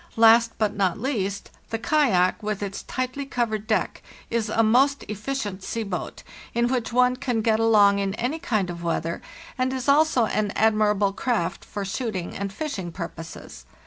Last, but not least, the kayak, with its tightly covered deck, is a most efficient sea boat, in which one can get along in any kind of weather, and is also an admirable craft for shooting and fishing purposes.